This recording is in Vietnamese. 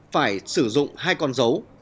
phải sử dụng hai con dấu